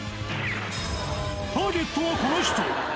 ターゲットはこの人。